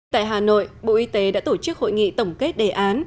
tại hà nội bộ y tế đã tổ chức hội nghị tổng kết đề án